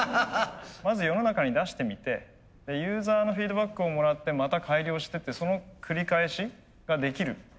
まず世の中に出してみてユーザーのフィードバックをもらってまた改良してってその繰り返しができる。